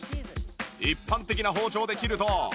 一般的な包丁で切ると